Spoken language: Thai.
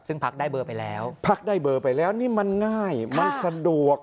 ซึ่งพักได้เบอร์ไปแล้วพักได้เบอร์ไปแล้วนี่มันง่ายมันสะดวก